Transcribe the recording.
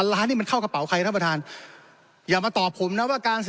๑๐๐๐ล้านนี่มันเข้ากระเป๋าใครท่านประธาน